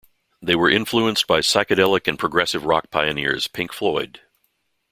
They were influenced by psychedelic and progressive rock pioneers Pink Floyd.